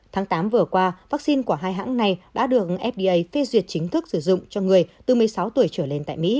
tháng tám vừa qua vaccine của hai hãng này đã được fda phê duyệt chính thức sử dụng cho người từ một mươi sáu tuổi trở lên tại mỹ